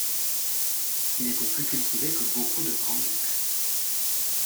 Il était plus cultivé que beaucoup de grands-ducs.